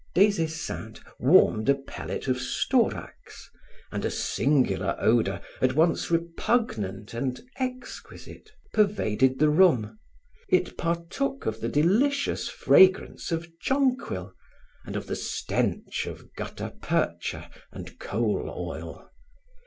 Des Esseintes warmed a pellet of storax, and a singular odor, at once repugnant and exquisite, pervaded the room. It partook of the delicious fragrance of jonquil and of the stench of gutta percha and coal oil.